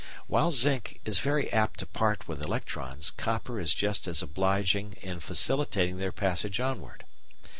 While zinc is very apt to part with electrons, copper is just as obliging in facilitating their passage onward.